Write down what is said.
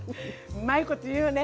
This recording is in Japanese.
うまいこと言うよね。